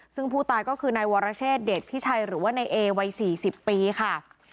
ซึ่งผู้ตายก็คือไหนวรเชษเด็กพี่ชัยหรือว่าไหนเอวัยสี่สิบปีค่ะ